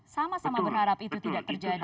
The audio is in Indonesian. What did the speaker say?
sama sama berharap itu tidak terjadi